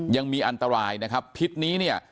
ยังมีอันตรายนะครับพิษนี้เนี่ย